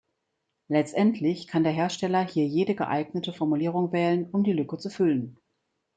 Letztendlich kann der Hersteller hier jede geeignete Formulierung wählen, um die Lücke zu füllen.